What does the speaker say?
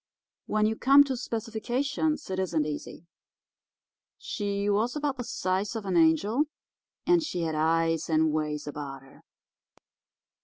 When you come to specifications it isn't easy. She was about the size of an angel, and she had eyes, and ways about her.